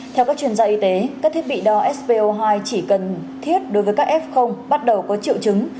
theo các chuyên gia y tế các thiết bị đo sco hai chỉ cần thiết đối với các f bắt đầu có triệu chứng